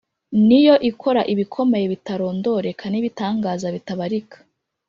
Niyo ikora ibikomeye bitarondoreka n’ibitangaza bitabarika